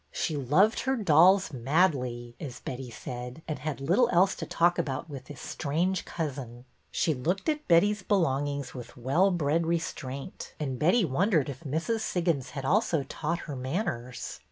She loved her dolls '' madly," as Betty ^aid, and had little else to talk about with this strange cousin. She looked at Betty's belongings with well bred restraint, and Betty wondered if Mrs. Siggins had also taught her manners."